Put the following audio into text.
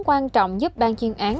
quan trọng giúp ban chuyên án